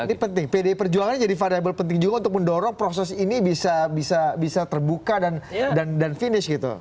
ini penting pdi perjuangan jadi variable penting juga untuk mendorong proses ini bisa terbuka dan finish gitu